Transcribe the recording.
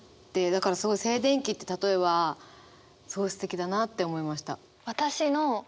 だからすごい「静電気」って例えはすごいすてきだなって思いました。